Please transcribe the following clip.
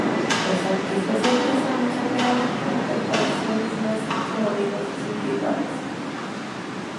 Los artistas y artesanos operaban como corporaciones más que como negocios individuales.